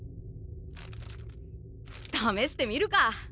ためしてみるか！